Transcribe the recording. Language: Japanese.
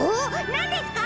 なんですか？